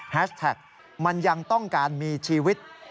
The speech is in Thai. แท็กมันยังต้องการมีชีวิต